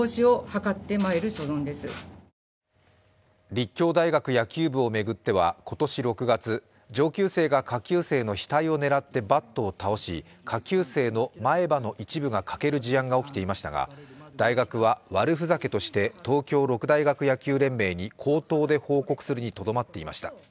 立教大学野球部を巡っては今年６月上級生が下級生の額を狙ってバットを倒し下級生の前歯の一部が欠ける事案が起きていましたが、大学は、悪ふざけとして東京六大学野球連盟に口頭で報告するにとどまっていました。